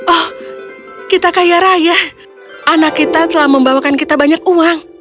oh kita kaya raya anak kita telah membawakan kita banyak uang